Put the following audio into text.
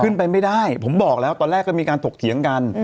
ไม่ได้ผมบอกแล้วตอนแรกก็มีการถกเถียงกัน